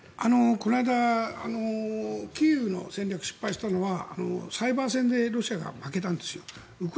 この間、キーウの戦略が失敗したのはサイバー戦でロシアが負けたんですよ。